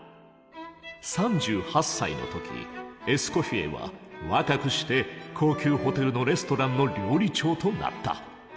３８歳の時エスコフィエは若くして高級ホテルのレストランの料理長となった。